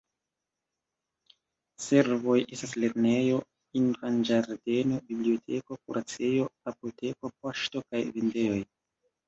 Servoj estas lernejo, infanĝardeno, biblioteko, kuracejo, apoteko, poŝto kaj vendejoj.